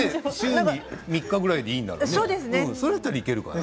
週に３日ぐらいでいいんだったらね